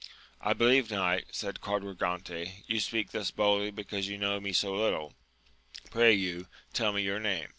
23 I believe knight, said Quadragante, you speak thus boldly because you know me so little ; pray you, tell me your name